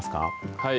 はい。